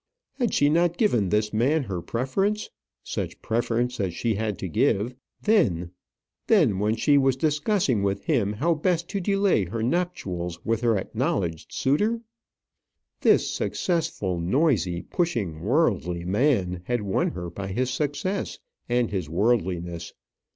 Had she not given this man her preference, such preference as she had to give, then, then when she was discussing with him how best to delay her nuptials with her acknowledged suitor? This successful, noisy, pushing, worldly man had won her by his success and his worldliness.